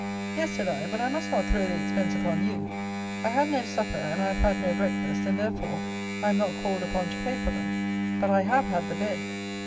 Yes, said I, but I must not throw the expense upon you. I had no supper, and I have had no breakfast; and, therefore, I am not called upon to pay for them: but I have had the bed.